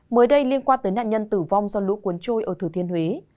mới đây liên quan tới nạn nhân tử vong do lũ cuốn trôi ở thừa thiên huế